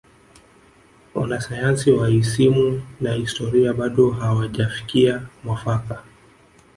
wanasayansi wa isimu na historia bado hawajafikia mwafaka